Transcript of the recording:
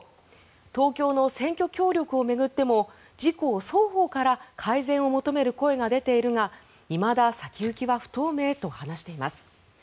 東京の選挙協力を巡っても自公双方から改善を求める声が出ているがいまだ先行きは不透明と話しています。